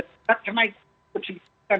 dilihat yang naik signifikan